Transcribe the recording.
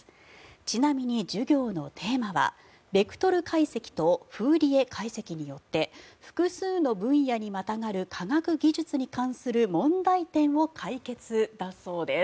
ちなみに授業のテーマはベクトル解析とフーリエ解析によって複数の分野にまたがる科学技術に関する問題点を解決だそうです。